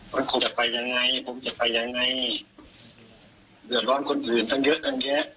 มันคงจะไปยังไงผมจะไปยังไงเดือดร้อนคนอื่นตั้งเยอะตั้งแยะ